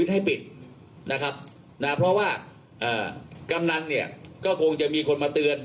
ให้ปิดนะครับนะเพราะว่ากำนันเนี่ยก็คงจะมีคนมาเตือน